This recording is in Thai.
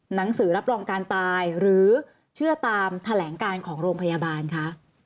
หนังสือรับรองการตายหรือเชื่อตามแถลงการของโรงพยาบาลคะ